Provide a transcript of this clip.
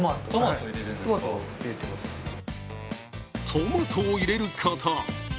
トマトを入れること。